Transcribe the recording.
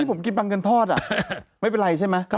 ผมกินบางเงินทอดไม่เป็นไรใช่ไหม